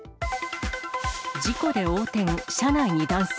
事故で横転、車内に男性。